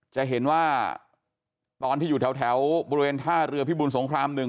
จะเห็นว่าตอนที่อยู่แถวบริเวณท่าเรือพิบูลสงครามหนึ่ง